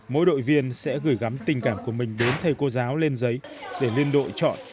mỗi đội viên sẽ gửi gắm tình cảm của mình đến thầy cô giáo lên giấy để liên đội chọn